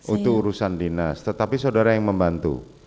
itu urusan dinas tetapi saudara yang membantu